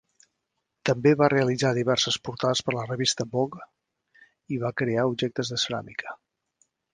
També va realitzar diverses portades per la revista Vogue i va crear objectes de ceràmica.